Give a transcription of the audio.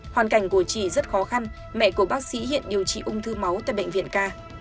hoàn cảnh của chị rất khó khăn mẹ của bác sĩ hiện điều trị ung thư máu tại bệnh viện ca